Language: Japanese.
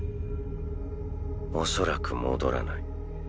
恐らく戻らない。